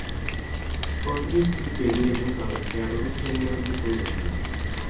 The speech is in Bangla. স্কটের স্ত্রী পেনি এবং তাদের ক্যারল ও স্যালি নামে দুই কন্যা ছিল।